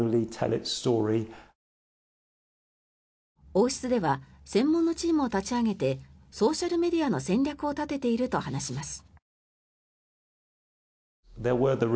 王室では専門のチームを立ち上げてソーシャルメディアの戦略を立てていると話します。